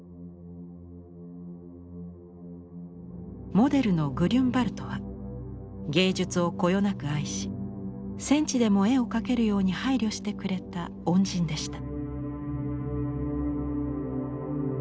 モデルのグリュンヴァルトは芸術をこよなく愛し戦地でも絵を描けるように配慮してくれた恩人でした。